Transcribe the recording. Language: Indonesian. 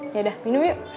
yaudah minum yuk